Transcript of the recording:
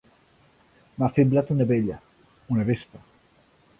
M'ha fiblat una abella, una vespa.